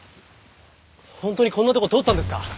本当にこんなところ通ったんですか？